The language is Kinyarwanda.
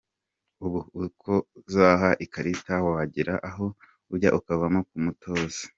Ubu ukozaho ikarita wagera aho ujya ukavamo ku mutuzo.